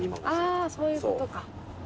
あぁそういうことか。